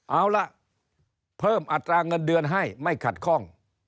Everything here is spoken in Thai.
เอาล่ะเพิ่มอัตราเงินเดือนให้ไม่ขัดข้อง